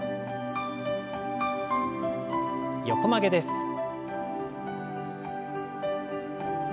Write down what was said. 横曲げです。